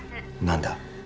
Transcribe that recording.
何だ？